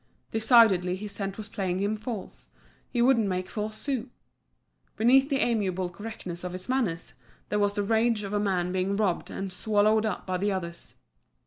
Decidedly his scent was playing him false, he wouldn't make four sous. Beneath the amiable correctness of his manners there was the rage of a man being robbed and swallowed up by the others.